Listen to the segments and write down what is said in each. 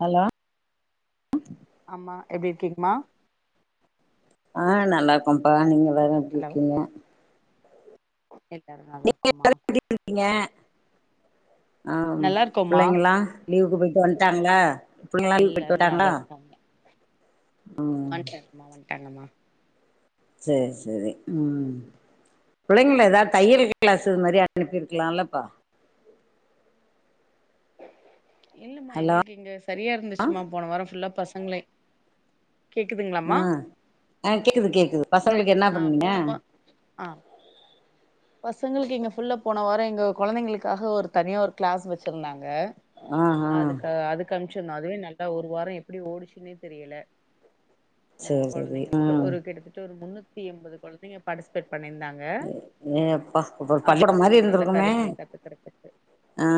Hello அம்மா எப்டி இருக்கீங்மா அ நல்லா இருக்கோம்ப்பா நீங்க எல்லாரு எப்டி ஹலோ இருக்கீங்க எல்லாரு நல்லா இருக்கோம்மா கீங்க ஆ நல்லா இருக்கோமா புள்ளைங்கல்லா லீவுக்கு போயிட்டு வன்ட்டாங்ளா புள்ளைங்களா லீவுக்கு போயிட்டு எல்லாரு வன்ட்டாங்ளா நல்லா வந்டங்கம்மா வந்ட்டாங்கம்மா சேரி சேரி ம் புள்ளைங்கள எதாவ்து தையலு கிளாஸு இது மாரி அனுப்பிருக்லாலப்பா இல்லம்மா ஹலோ எங்களுக்கு இங்க சரியா இருந்துச்சிமா போன வாரோ ஃபுல்லா பசங்ளே ஆ ஆங் கேக்குது கேக்குது பசங்களுக்கு என்ன ஆ பண்ணீங்க போனம்பா ஆ பசங்களுக்கு இங்க ஃபுல்லா போன வாரொ எங்க கொழந்தைங்களுக்காக ஒரு தனியா ஒரு க்ளாஸ் வச்சிருந்தாங்க ஆ ஆ அதுக்கு அதுக்கு அம்ச்சிர்ந்தோ அதுவே நல்லா ஒரு வாரொ எப்டி ஓடிச்சுன்னே தெரியல ஆ சேரி சேரி கொழந்தைங்களுக்கு ம் ஒரு கிட்டத்தட்ட ஒரு முன்னூத்தி எம்பது கொழந்தைங்க பார்ட்டிசிபேட் பண்ணிருந்தாங்க ஏ அப்பா அப்ப பள்ளிகொடம் பசங்க மாரி நல்ல இருந்துருக்குமே காரியங்கள் ஆ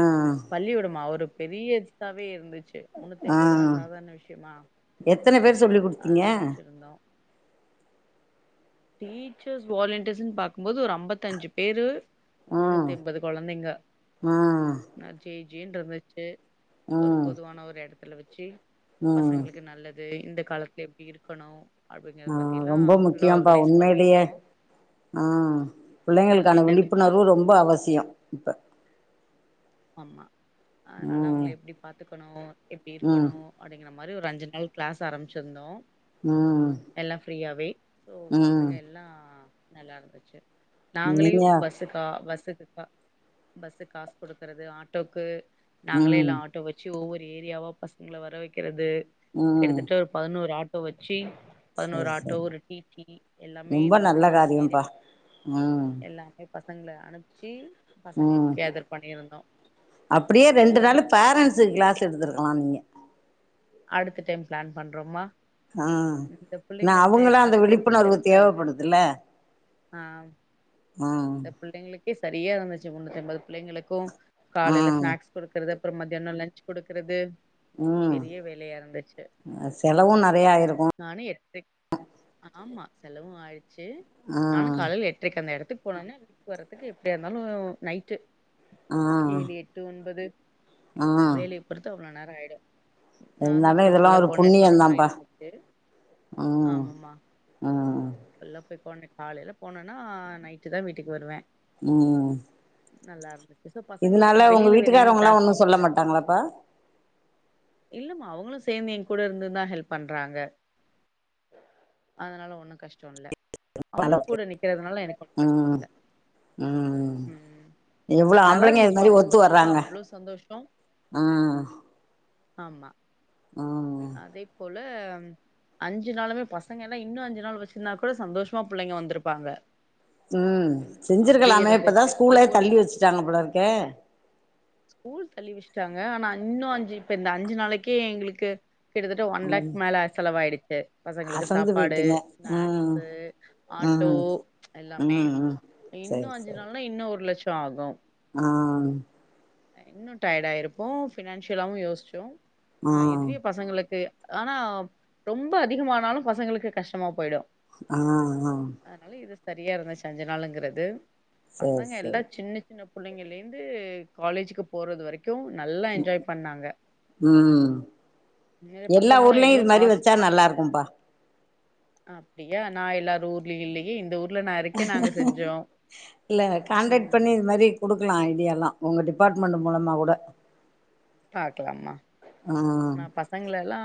பள்ளிகொடமா ஒரு பெரிய இதுசாவே இருந்துச்சு முன்னூத்தி எம்பதுனா ஆ சாதாரண விசயமா எத்தன பேர் சொல்லி அத குடுத்தீங்க அம்ச்சிருந்தோ டீச்சர்ஸ் வாலியண்டர்ஸ்ன்னு பாக்கும் போது ஒரு அம்பத்தஞ்சு பேரு ஆ முன்னூத்தி எம்பது கொழந்தைங்க ஆ நல்ல ஜே ஜேன்ருந்துச்சு ஒரு ம் பொதுவான ஒரு எடத்துல வச்சி ம் பசங்களுக்கு நல்லது இது இந்த காலத்துல எப்டி இருக்கணு அப்டிங்குற பத்திலா ஃபுல்லா ஆர்கனைஸ் உண்மையிலியே பண்ணிருந்தோ அ புள்ளைங்களுக்கான என்னதுமா விழிப்புணர்வு ரொம்ப அவசியொ இப்ப ஆமா அதனால ம் அவுங்கள எப்டி பாத்துக்கணு எப்டி ம் இருக்கணு அப்டிங்கிற மாரி ஒரு அஞ்சு நாள் க்ளாஸ் ஆரம்பிச்சிருந்தோ ம் எல்லா ஃப்ரீயாவே ஓ ம் பசங்க எல்லா நல்லா இருந்துச்சு நாங்களே நீங்க பஸ் து கா பஸு ப பஸ்க்கு காசு குடுக்கிறது ஆட்டோக்கு நாங்களே ம் இல்ல ஆ ட்டோ வச்சு ஒவ்வொரு ஏரியாவா பசங்கள வர வக்கிறது ம் கிட்டத்தட்ட பதினோரு ஆட்டோ வச்சி பதினொரு சரி ஆட்டோ சரி ஒரு டீடீ எல்லாமே ரொம்ப நல்ல பசங்கலா காரியம்ப்பா ம் [inaudible] எல்லாமே பசங்ள அனுப்ச்சி பசங்கள கேதர் பண்ணியிருந் அப்டியே ரெண்டு நாளு பேரண்ட்ஸுக்கு கிளாஸ் எடுத்துருக்லா நீங்க அடுத்த டைம் பிளான் பண்றோம்மா அ நா அவுங்களா அந்த பாத்துக்கறதே விழிப்புணர்வு பெருசா இருந்துச்சு தேவப்படுதுல ஆ ஆ இந்த புள்ளைங்களுக்கே சரியா இருந்துச்சு முன்னூத்தி எம்பது புள்ளைங்களுக்கூ காலையில ம் ஸ்நாக்ஸ் குடுக்கறது அப்புறோ மத்தியான லஞ்ச் குடுக்கறது ம் லயா இருந்துச்சு செலவும் நெறையா ஆயிருக்கு நானு எட்றைக்கு ஆமா செலவு ஆயிருச்சு ஆ நானு காலைல எ ட்ரைக்கு அந்த எடத்துக்கு போனனா வர்றதுக்கு எப்டியா இருந்தாலு நைட்டு ஆ ஏழு எட்டு ஒன்பது ஆ வேலய பொறுத்து அவ்ளோ நேரோ ஆயிடு நான்தான் இருந்தாலு அப்றோ இதெல்லா ஃபுல்லா ஒரு கோஆர்டினேட் பண்ற மாரி புண்ணியந்தாப்பா இருந்துச்சு ஆமாமா அ ஃபுல்லா போய் கோஆர்டினேட் காலைல போனனா நைட்டதா வீட்டுக்கு வருவ ம் நல்லா இருந்துச்சு சோ பசங்களுக்கு நா வெளில வேற எங்கயு கிளாஸ்க்கு அனுப்பல நாங்ளாப்பா இல்லமா அவுங்களு சேந்து என் கூட இருந்துதா ஹெல்ப் பண்றாங்க அதனால ஒண்ணு கஷ்டோ இல்ல அவுங்களு அளவுக்கு கூட நிக்கறதுனால எனக்கு ஒன்னு கஷ்டோ ம் இல்ல ம் ம் எவ்ளோ நல்லா அம்பளைங்க இது இருந்துச்சுமா மாரி ஒத்து பசங்களுக்குலா வராங்க அவ்ளோ சந்தோஷோ ம் ஆமா ஆ அதே போல அஞ்சு நாளுமே பசங்க எல்லா இன்னு அஞ்சு நாள் வெச்சிருந்தா கூட சந்தோஷமா புள்ளைங்க வந்திருப்பாங்க ம் அப்டி செஞ்சிருக்கலாமே இப்பதா இருந்துச்சு ஸ்கூலே ஒவ்வொரு தள்ளி வெச்சிட்டாங்க போல இருக்கே ஸ்கூல் தள்ளி வெச்சிட்டாங்க ஆனா இன்னு அஞ்சு இப்ப இந்த அஞ்சு நாளைக்கே எங்களுக்கு கிட்டத்தட்ட ஒன் லேக் ம் மேல செலவாயிடுச்சு பசங்களுக்கு அசந்து சாப்பாடு, போயிட்டீங்க ம் ஸ்நாக்ஸு, ஆட்டோ ம் ப்ச் எல்லாமே ம் ம் இன்னு சரி அஞ்சு சரி நாள்னா இன்னு ஒரு லட்சோ ஆகு ஆ இன்னு டயர்டாயிருப்போ ஃபினான்ஷியலாவு யோசிச்சோ ஆ ஆனா இதுவே பசங்களுக்கு ஆனா ரொம்ப அதிகமானாலு பசங்களுக்கு கஷ்டமா போயிடு ஆ அதா அதனால இது சரியா இருந்துச்சு அஞ்சு நாளுங்குறது சரி பசங்க சரி எல்லா சின்ன சின்ன புள்ளைங்கலந்து காலேஜ்க்கு போறது வரை க்கு நல்லா என்ஜாய் பண்ணாங்க ம் உண்மைலே எல்லா பசங்கல்லா ஊர்லயு எவ்ளோ இது மாரி பாஸ் வெச்சா நல்லா இருக்கும்ப்பா அப்டியா நா எல்லார் ஊர்ல இல்லயே இந்த ஊர் இல்ல கான்டாக்ட் ம் பண்ணி இது மாரி குடுக்கலா ஐடியா எல்லா உங்க டிபார்ட்மெண்ட் மூலமா கூட பாக்கலாமா ஆ நா ஃபர்ஸ் பசங்கள எல்லா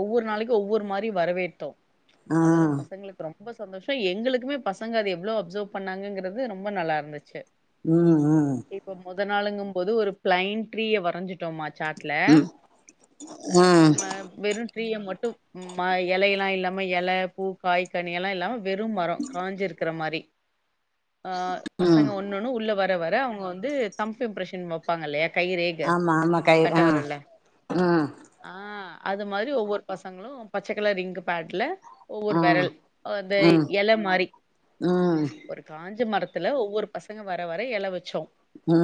ஒவ்வொரு நாளைக்கு ஒவ்வொரு மாரி வரவேற்த்தோ ஆ அதெல்லா பசங்களுக்கு ரொம்ப சந்தோஷோ எங்களுக்குமே பசங்க அது எவ்ளோ அப்சர்வ் பண்ணாங்கங்கறது ரொம்ப நல்லா இருந்துச்சு ம் ம் இப்ப மொத நாளுங்கும்போது ஒரு பிளைன் ட்ரீய வரைஞ் சிட்டோமா சாட்ல ம் அ ம் ம வெறு ட்ரீய மட்டு எலையெல்லா இல்லாம எல பூ, காய், கனி எல்லா இல்லாம வெறு மரோ காஞ்சிருக்கிற மாரி அ ம் பசங்க ஒண் ணொன்னு உள்ள வர வர அவுங்க வந்து தம் இம்ப்ரஷன் வெப்பாங்க இல்லையா கைரேக மாமா கை கட்ட ஆ விரல்ல ம் ஆ அது மாதிரி ஒவ்வொரு பசங்களு பச்ச கலர் இங்க் பேட்ல ஒவ்வொரு ஆ வெரல் அந்த ம் எல மாரி ம் ஒரு காஞ்ச மரத்துல ஒவ்வொரு பசங்க வர வர எல வச்சோ ஆ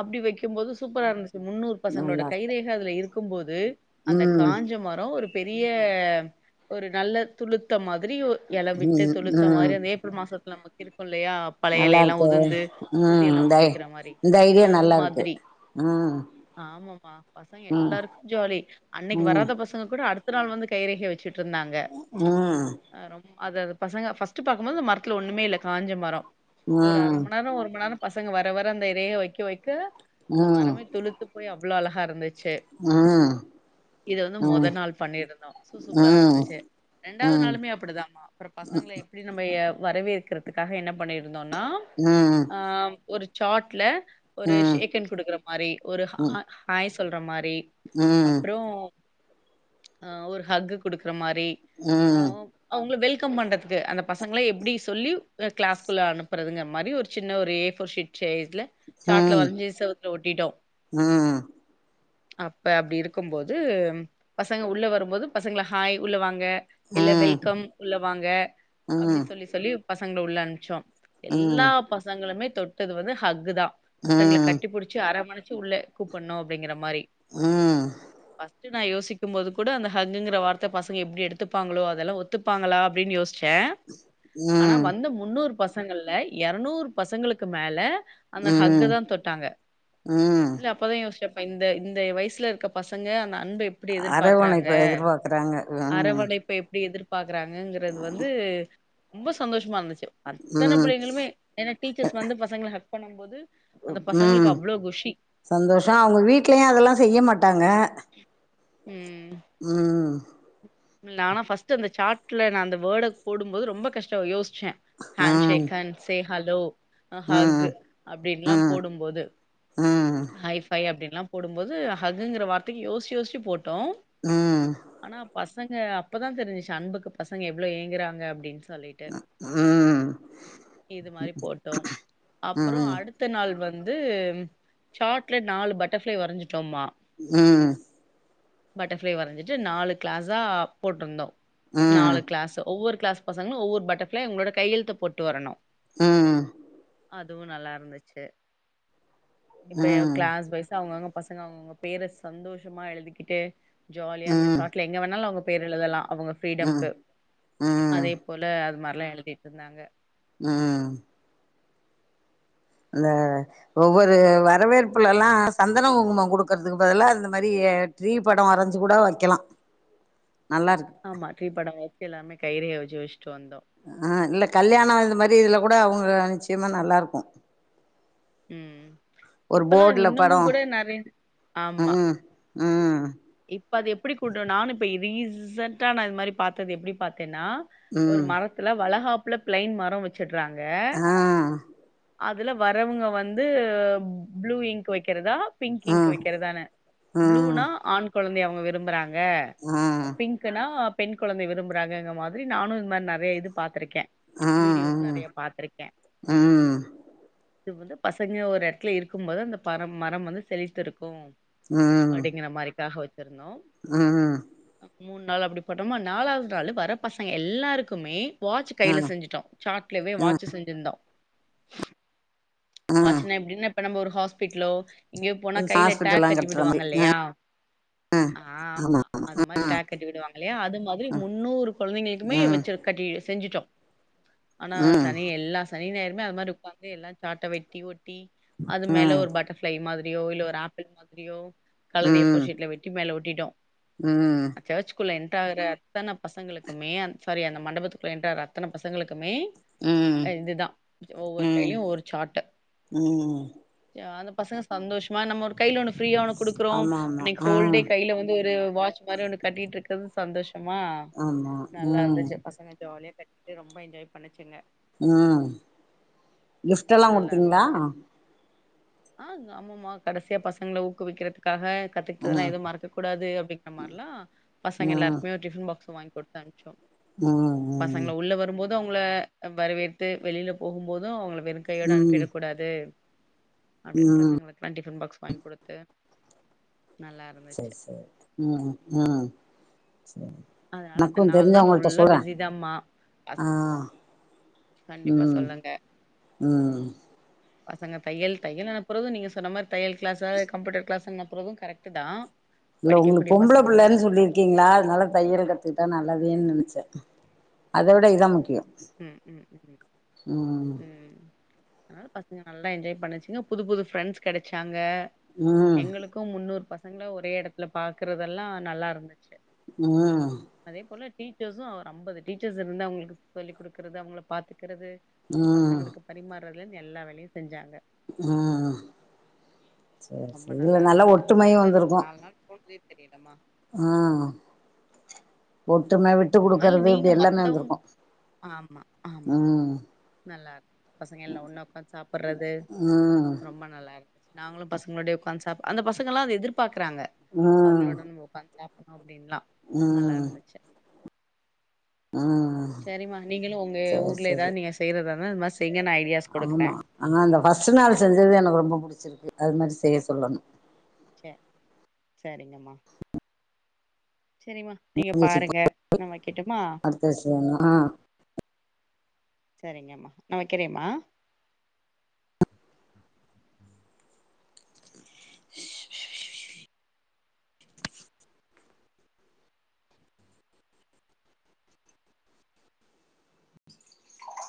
அப்டி வக்கும்போது சூப்பரா இருந்துச்சி முன்னூறு பசங்களோட நல்லா இருக்கு கைரேக அதுல இருக்கும்போது அந்த ம் காஞ்ச மரம் ஒரு பெரிய ஒரு நல்ல துளுத்த மாதிரி எல விட்டு ம் துளுத்த ம் மாரி அந்த ஏப்ரல் மாசத்துல நமக்கு இருக்கும் இல்லையா பழைய நல்லா எலையெல்லா இருக்கு உதுர்ந்து ம் புதிய எல இந்த ஐ மொளைக்கிற மாரி அது மாதிரி ஆ ஆமாம்மா பசங்க எல்லாருக்கு ஜாலி அன்னைக்கு ம் வராத பசங்க கூட அடுத்த நாள் வந்து கைரேக வச்சிட் ருந்தாங்க ம் ஆ ரொம் அது அது பசங்க ஃபஸ்ட்டு பாக்கும் போது அந்த மரத்துல ஒன்னுமே இல்ல காஞ்ச மரம் ஒரு அர ம் மண்நேர ஒரு மண்நேரம் பசங்க வர வர அந்த ரேக வக்க வக்க ம் அந்த மரமே ம் துளுத்து போய் அவ்வளோ அழகா இருந்துச்சு ஆ இத வந்து மொத நாள் பண்ணிருந்தோ சூ சூப்பரா ம் இருந்துச்சு ரெண்டாவது ம் நாளுமே அப்படிதாம்மா அப்புற பசங்கள எப்டி நம்ம ஊர் ய வரவேற்கறதுக்காக என்ன பண்ணிருந்தோம்னா ம் ஆ ஒரு சாட்ல ஒரு ம் ஷேக்கண்ட் குடுக்கற மாரி ஒரு ஹா ஹாய் சொல்ற மாரி ம் ம் அப்புறோ ஆ ஒரு ஹக்கு குடுக்குற மாரி ஆ ம் அவுங்கள வெல்கம் பண்றதுக்கு அந்த பசங்கள எப்டி சொல்லி ஆ கிளாஸ்க்குள்ள அனுப்புறதுங்க மாரி ஒரு சின்ன ஒரு ஏ ஃபோர் ஷீட் ல சாட்ல ம் ம் ம் வரைஞ்சி செலவுத் ஒட்டிட்டோ ம் அப்ப அப்டி இருக்கும்போது பசங்க உள்ள வரும்போது பசங்கள ஹாய் உள்ள வாங்க இல்ல வெல்கம் உள்ள வாங்க அப்டி சொல்லி சொல்லி பசங்கள உள்ள அனுப்ச்சோம் எல்லா பசங்களுமே தொட்டது வந்து ஹஃக்கு தா பசங்கள கட்டி புடிச்சி அரவணைச்சி உள்ள கூப்புட்னு அப்டிங்கற மாரி நா யோசிக்கும்போது கூட அந்த ஹஃகுங்கற வார்த்த பசங்க எப்டி எடுத்துப்பாங்களோ அதெல்லா ஒத்துப்பாங்களா அப்டின்னு யோசிச்ச ம் ஆனா ம் வந்த முந்நூறு பசங்கள்ல எரநூறு பசங்களுக்கு மேல அந்த ம் ஹஃக்குதா தொட்டாங்க ம் இல்ல அப்பதா யோசிச்ச அப்ப இந்த இந்த வயசுல இருக்க பசங்க அந்த அன்ப எப் படி எதிர்பாக்கறாங்க அரவணைப்ப எதிர்பாக்குறாங்க ம் அரவணைப் இப்ப எப்டி எதிர்பாக்கறாங்கங்கிறது வந்து ரொம்ப சந்தோஷமா இருந்துச்சு அத்தனை ம் புள்ளைங்களுமே ஏன்னா டீச்சர்ஸ் வந்து பசங்கள ஹக் பண்ணும் போது அந்த ம் பசங்களுக்கு அவ்ளோ குஷி சந்தோஷ அவுங்க வீட்லயு அதெல்லா செய்ய மாட்டாங்க ம் ம் ஆனா ஃபர்ஸ்ட்டு அந்த சாட்ல நா அந்த வேர்ட போடும்போது ரொம்ப கஷ்டம் யோசிச்ச ஹாண்ட் ம் ஷேக் ஹாண்ட் ஹலோ ஆ ஹக் ம் ம் அப்டின்னுல்லா போடும்போது ஹை ஃபை அப்டின்லா போடும் போது ஹஃகுங்கிற வார்த்தைக்கு யோசிச் யோசிச்சு போட்டோ ம் ஆனா பசங்க அப்பதா தெரிஞ்சிச்சு அன்புக்கு பசங்க எவ்வளோ ஏங்குறாங்க அப்டின்னு சொல்லி ட்டு ம் ம் இது மாரி போட்டோ ம் அப்புற ம் அடுத் த நாள் வந்து சாட்ல நாலு பட்டர்ஃப்ளை வரஞ்சிட்டோம்மா ஆ பட்டர்ஃப்ளை வரஞ்சிட்டு நாலு கிளாஸா போட்டுருந்தோ ம் நாலு கிளாஸ் ஒவ்வொரு கிளாஸ் பசங்களும் ஒவ்வொரு பட்டர்ஃப்ளை உங்களோட கையழுத்த போட்டு வரணு ஆ அதுவு நல்லா இருந்துச்சு இப்ப ம் கிளாஸ் வைஸ் அவங்க அவங்க பசங்க அவங்கவங்க பேர சந்தோஷமா எழுதிக்கிட்டு ஜாலியா அந்த ம் சாட்ல எங்க வேணாலு அவங்க பேர் எழுதலா அவங்க ஃப்ரீடம்கு ம் அதே போல அது மாரிலா எழுதிட்டு இருந்தாங்க ஆ இல்ல ஒவ்வொரு வரவேற்புல எல்லா சந்தன குங்கும கொடுக்கறதுக்கு பதெல்லா இந்த மாரி ட்ரீ படோ வரஞ்ச கூட வைக்கலா [inaudible] நல்லா இருக்கு ஆமா ட்ரீ பட வைக்கலாமே கயிறையு எழுதி வெச்ட்டு வந்தோ ஆ இல்ல கல்யாண அந்த மாரி இதில கூட அவங்க நிச்சயமா நல்லா இருக்கு ம் ஒரு இப்பல்லா அது போர்டுல இன்னமு படோ கூட நறைய ஆமா ம் ம் இப்ப அது எப்டி கூடு நானு இப்ப ரீசண்டா நா இது மாரி பாத்தது எப்டி பாத்தேன்னா ஒரு ம் மரத்துல வளகாப்புல பிளைன் மர வெச்சுட்றாங்க. ஆ அதுல வரவங்க வந்து ப்ளூ இங்க் வைக்கிறதா பிங்க் இங்க் ம் வைக்கிறதானு ம் ப்ளூனா ஆண் குழந்தை அவங்க விரும்புறாங் க ம் பிங்க்னா பெண் குழந்தை விரும்புறாங்கங்க மாரி நானு இது மாரி நெறைய இது பாத்திருக்கே. வீடியோஸ் நெறைய பாத்திருக்கே ம் இது வந்து பசங்க ஒரு எடத்துல இருக்கும் போது அந்த பரம் மரம் வந்து செலித்திருக்கு அப்டிங்குற மாரிக்காக வெச்சிருந்தோ ஆ மூணு நாள் அப்டி போட்டோமா நாலாவது நாள் வர பசங்க எல்லாருக்குமே வாட்ச் கைல ம் செஞ்சுட்டோ சாட்லவே வாட்சு செஞ்சிருந்தோ ம் வாச்சுனா எப்டின்னா இப்ப நம்ப ஒரு ஹாஸ்பிட்லோ இங்கயோ போனா கையில ஹாஸ்பிட்டல்லா டேக் கட்டி கட்ற மாரி விடுவாங்க அ இல்லையா ஆமா அது மாரி டேக் கட்டி விடுவாங்க இல்லையா அது மாரி முன்னூறு குழந்தைங்களுக்குமே ம் வெச்சு கட்டி செஞ்சுட்டோ ஆனா ம் சனி எல்லா சனி ஞாயிறுமே அது மாரி உக்காந்து எல்லா சாட்ட வெட்டி ஒட்டி அது மேல ம் ம் ஒரு பட்டர்ஃப்ளை மாதிரியோ இல்ல ஒரு ஆப்பிள் மாதிரியோ கலுவி ஃபோ ம் ஷீட்ல வெட்டி மேல ஒட்டிட்டோ சர்ச்க்குள்ள என்ட் ஆகுற அத்தன பசங்களுக்குமே சாரி அந்த மண்டபத்துக்குள்ள என்டர் ஆகுற அத்தன பசங்களுக்குமே ம் இதுதா ஒவ்வொரு ம் டைலயு ஒவ்வொரு சாட்டு ம் ஆ அந்த பசங்க சந்தோஷ் மா நம்ம ஒரு கையில ஒன்னு ஃப்ரீயா ஒன்னு குடுக்குறோ ஆமா ஆமா அன்னைக்கு ஆ ஹோல்டே கையில வந்து ஒரு வாட்ச் மாரி ஒண்ணு கட்டிட்டு இருக்கது சந்தோஷமா ஆமா நல்லா ம் இருந்துச்சு பசங்க ஜாலியா கட் டி ரொம்ப என்ஜாய் பண்ணுச்சுங்க. அ கிஃப்ட் எல்லா நல்லா குடுத்தீங்களா இருந்துச்சு ஆ ஆமாமா கடைசியா பசங்கள ஊக்குவிக்கிறதுக் காக கத்துக்கிட்டதல்லா ம் எதுவு மறக்கூடாது அப்டிங்குற மாரிலா பசங்க ம் எல்லாருக்குமே ஒரு டிஃபன் பாக்ஸ்ஸ வாங்கி கு தம்சோ ம் ம் பசங்கள உள்ள வரும்போ அவங்கள வரவேத்து வெளியில போகும் போது அவங்கள வெறு கையோட ம் அனுப்பிற கூடாது அப்டின்னு ம் பசங்களுக்கு டவெண்ட்டி ஃபன் பாக்ஸ் வாங்கி குடுத்து நல்லாருக் சேர் சேர் ம் ம் சரி அதனால இந்த எனக்கு நாலு நாள் தெரிஞ்சவங்கள்ட்ட ஃபுல்லா சொல்றே பிஸி தாம்மா ஆ கண்டிப்பா ம் சொல்லுங்க ம் பசங்க தையல் தையல் அனுப்புறது நீங்க சொன்ன மாரி தையல் க்ளசு கம்ப்யூட்டர் க்ளஸ்னு கத்றது கரெக்ட்டு தா இல்ல உங்களுக் படிக்கக்கூடிய பொம்பள பசங்கள புள்ளன் சொல்லிருக் க்கீங்ளா அதனால தையல் கத்துக்கிட்டா நல்லதுேன் நெனச்ச அத விட இதா முக்கியோ ம் ம் ம் ம் அதனால பசங்க நல்லா என்ஜாய் பண்ணுச்சுங்க புது புது ஃப்ரெண்ட்ஸ் கெடைச்சாங்க ம் எங்களுக் கு முன்னூறு பசங்கள ஒரே எடத்துல பாக்குறதெல்லா நல்லா இருந்துச்சு அ அதே போல டீச்சர்ஸூ ஒரு அம்பது டீச்சர்ஸ் இருந்து அவங்களுக்கு சொல்லி் குடுக்குறது அவங்கள பாத்துக்கறது ம் பசங்களுக்கு பரிமாறுறதுலந்து எல்லா வேலையு செஞ்சாங்க ஆ சர் சரி இதுல நல்லா ஒற்றுமையு வந்திருக்கு ஃபோன் பைனே தெரியலமா ஆ ஒற்றும விட்டு இந்த மாரி குடுக்கறது நீங்க இப்டி எல்லாமே மத்தவங் வந்திருக்கு ஆமா ஆமா ம் நல்லா இருக் பசங்க எல்லா ஒன்னா உக்காந்து சாப்பிட்றது ம் ரொம்ப நல்லா இருக்கு நாங்களு பசங்களோடயே உக்காந்து சாப் அந்த பசங்கல்லா அத எதிர்பாக்குறாங்க ம் அவங்களோட நம்ம உக்காந்து சா அப்டின்லா ம் நல்லாருந்துச்சு ஆ செரிமா நீங்களு உங்க ஊர்ல ஏதாது நீங்க செய்றதாருந்தா இது மாரி செய்ங்க நா ஐடியா ஆமா ஆனா அந்த ஃபர்ஸ்ட் நாள் செஞ்சது எனக்கு ரொம்ப புடிச்சிருக்கு அது மாரி செய்ய சொல்லணு ச சரிங்கம்மா சரிமா நீங்க செஞ்சு வச்சுப்போ பாருங்க நா வைக்கட்டுமா அடுத்த விஷயம்னா சரிங்கம்மா நா வைக்கிறேம்மா